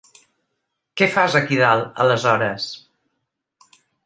Què fas aquí dalt, aleshores?